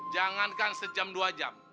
jangankan sejam dua jam